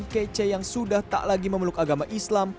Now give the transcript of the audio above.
kece yang sudah tak lagi memeluk agama islam